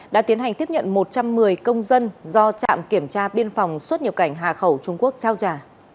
đã tiến hành tiếp nhận một trăm một mươi công dân do trạm kiểm tra biên phòng xuất nhập cảnh hà khẩu trung quốc trao trả